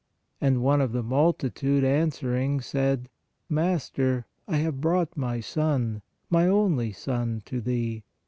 And one of the multitude, answering, said: Master, I have brought my son, my only son to Thee.